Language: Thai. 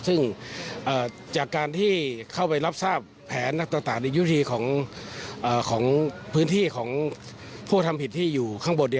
ซึ่งจากการที่เข้าไปรับทราบแผนนักต่างในยุธีของพื้นที่ของผู้ทำผิดที่อยู่ข้างบน